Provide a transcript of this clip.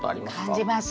感じます。